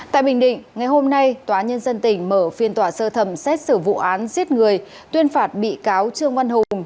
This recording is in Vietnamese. tại bình định ngày hôm nay tòa nhân dân tỉnh mở phiên tòa sơ thẩm xét xử vụ án giết người tuyên phạt bị cáo trương văn hùng